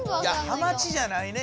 ハマチじゃないね